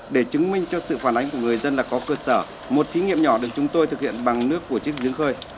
để chứng minh cho sự phản ánh của người dân là có cơ sở một thí nghiệm nhỏ được chúng tôi thực hiện bằng nước của chiếc giếng khơi